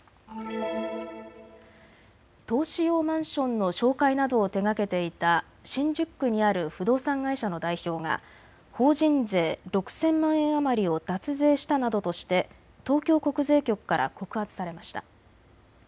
投資用マンションの紹介などを手がけていた新宿区にある不動産会社の代表が法人税６０００万円余りを脱税したなどとして東京国税局から告発されました。